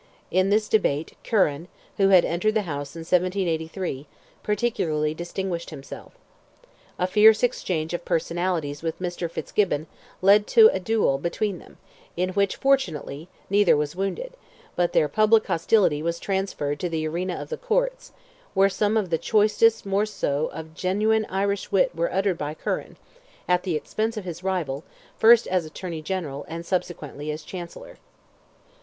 In this debate, Curran, who had entered the House in 1783, particularly distinguished himself. A fierce exchange of personalities with Mr. Fitzgibbon led to a duel between them, in which, fortunately, neither was wounded, but their public hostility was transferred to the arena of the courts, where some of the choicest morceaux of genuine Irish wit were uttered by Curran, at the expense of his rival, first as Attorney General, and subsequently as Chancellor.